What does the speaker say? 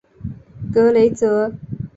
格雷泽。